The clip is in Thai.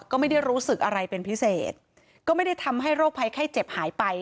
ก็ไม่ได้รู้สึกอะไรเป็นพิเศษก็ไม่ได้ทำให้โรคภัยไข้เจ็บหายไป